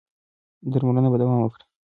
درملنه به دوام وکړي.